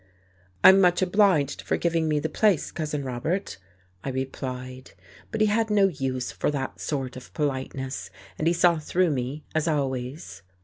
"I'm much obliged for giving me the place, Cousin Robert," I replied. But he had no use for that sort of politeness, and he saw through me, as always.